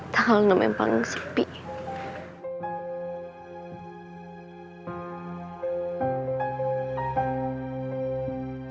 tanggal enam memang sipih